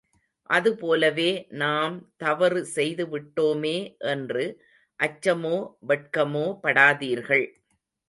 அதுபோலவே நாம் தவறு செய்துவிட்டோமே என்று அச்சமோ வெட்கமோபடாதீர்கள்.